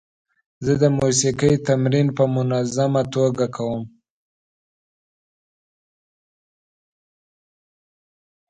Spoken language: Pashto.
زه د موسیقۍ تمرین په منظمه توګه کوم.